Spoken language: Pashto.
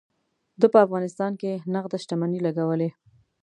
ده په افغانستان کې نغده شتمني لګولې.